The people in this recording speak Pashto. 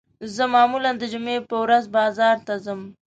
زه معمولاً د جمعې په ورځ بازار ته ځم